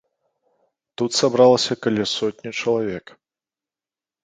Тут сабралася каля сотні чалавек.